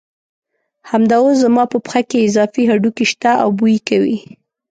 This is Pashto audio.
همدا اوس زما په پښه کې اضافي هډوکي شته او بوی کوي.